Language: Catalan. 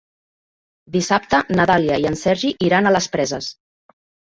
Dissabte na Dàlia i en Sergi iran a les Preses.